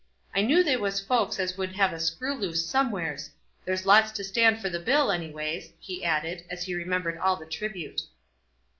"I knew they was folks as would have a screw loose somewheres. There's lots to stand for the bill, anyways," he added, as he remembered all the tribute.